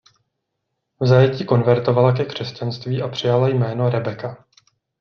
V zajetí konvertovala ke křesťanství a přijala jméno "Rebecca".